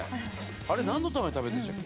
あれ何のために食べんでしたっけ？